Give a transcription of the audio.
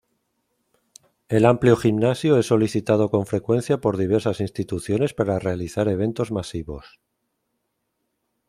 El amplio gimnasio es solicitado con frecuencia por diversas instituciones para realizar eventos masivos.